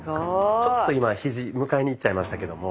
ちょっと今ひじ迎えにいっちゃいましたけども。